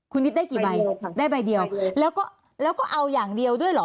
คุณนิดได้กี่ใบได้ใบเดียวแล้วก็เอาอย่างเดียวด้วยเหรอ